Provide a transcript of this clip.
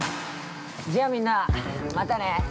◆じゃあ、みんな、またね！